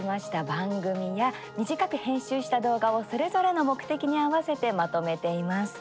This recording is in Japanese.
番組や短く編集した動画をそれぞれの目的に合わせてまとめています。